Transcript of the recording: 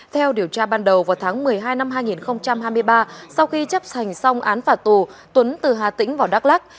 theo điều tra ban đầu vào tháng một mươi hai năm hai nghìn hai mươi ba sau khi chấp hành xong án phả tù tuấn từ hà tĩnh vào đắk lắc